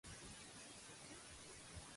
De quin fet es congratula?